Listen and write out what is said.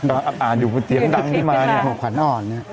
อาจอ่านอยู่บนเสียงดังที่มาเนี่ยหัวขวัญอ่อนเนี่ย